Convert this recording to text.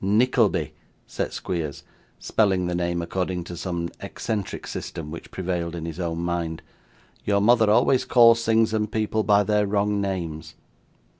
'Nickleby,' said Squeers, spelling the name according to some eccentric system which prevailed in his own mind; 'your mother always calls things and people by their wrong names.